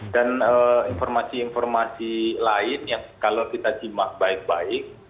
dan informasi informasi lain yang kalau kita cek baik baik